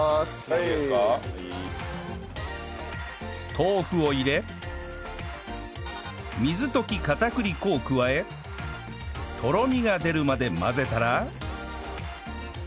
豆腐を入れ水溶き片栗粉を加えとろみが出るまで混ぜたら